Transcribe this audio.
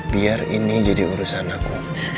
biar ini jadi urusan aku